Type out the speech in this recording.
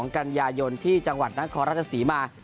๒๐๒๒กันยายนที่จังหวัดนักคอราชสีมา